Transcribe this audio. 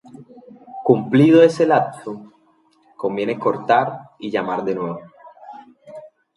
Cumplido ese lapso, conviene cortar y llamar de nuevo".